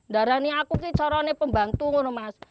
darah nih aku sih cara nih pembantu gitu mas